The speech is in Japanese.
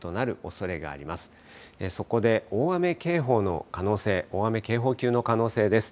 そこで大雨警報の可能性、大雨警報級の可能性です。